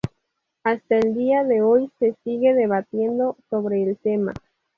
Hasta el día de hoy se sigue debatiendo sobre el tema.